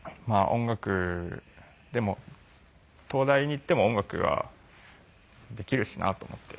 音楽でも東大に行っても音楽はできるしなと思って。